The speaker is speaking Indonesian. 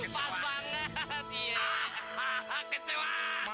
baru anak buah nih pak dino